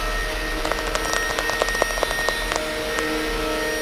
ინგლისი მსოფლიოში ცხვრის მატყლის ერთ-ერთი უმსხვილესი მწარმოებელია.